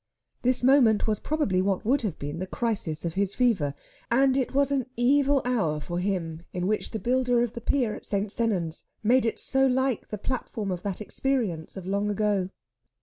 This moment was probably what would have been the crisis of his fever, and it was an evil hour for him in which the builder of the pier at St. Sennans made it so like the platform of that experience of long ago.